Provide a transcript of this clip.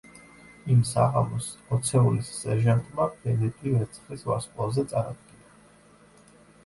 იმ საღამოს, ოცეულის სერჟანტმა ბენეტი ვერცხლის ვარსკვლავზე წარადგინა.